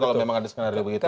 kalau memang ada skenario begitu